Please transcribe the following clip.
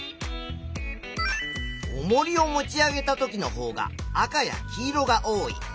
おもりを持ち上げたときのほうが赤や黄色が多い。